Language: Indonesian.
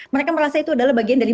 mereka merasa itu adalah bagian dari